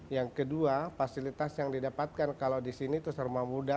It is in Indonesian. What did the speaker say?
yang kedua fasilitas yang didapatkan kalau di sini itu serma muda